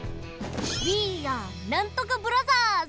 ウィーアーなんとかブラザーズ！